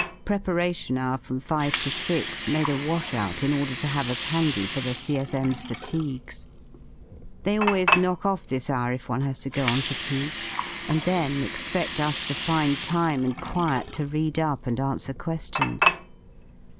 Preparation hour from five to six made a wash out in order to have us handy for the C.S.M.'s fatigues. They always knock off this hour if one has to go on fatigues, and then expedl us to find time and quiet to read up and answer que^ions.